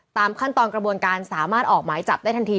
ตามขั้นตอนกระบวนการสามารถออกหมายจับได้ทันที